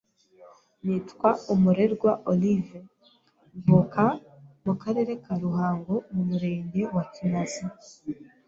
Nitwa UMURERWA Olive, mvuka mu karere ka ruhango mu murenge wa kinazi